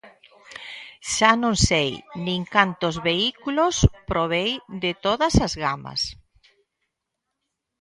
Xa non sei nin cantos vehículos probei de todas as gamas.